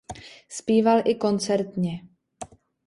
Zpíval i koncertně.